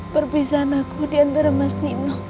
perpisahan aku diantara mas ninuh